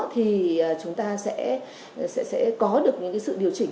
thì chúng ta sẽ có được sự điều chỉnh